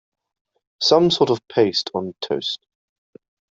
Some sort of paste on toast.